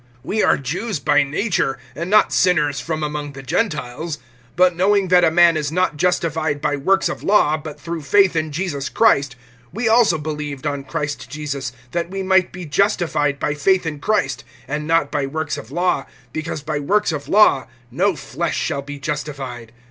(15)We are Jews by nature, and not sinners from among the Gentiles; (16)but knowing that a man is not justified by works of law, but through faith in Jesus Christ, we also believed on Christ Jesus, that we might be justified by faith in Christ, and not by works of law; because by works of law no flesh shall be justified.